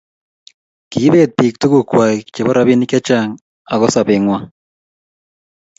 kibeet biik tuguk kwai chebo robinik chechang ago sobengwai